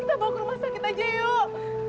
kita bawa ke rumah sakit aja yuk